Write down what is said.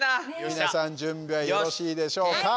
皆さん準備はよろしいでしょうか？